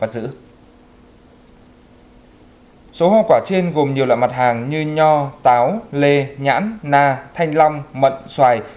số hoa quả trên gồm nhiều loại mặt hàng như nho táo lê nhãn na thanh long mận xoài